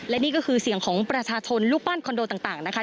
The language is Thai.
และนี่ก็คือเสียงของประชาชนรูปปั้นคอนโดต่างนะคะ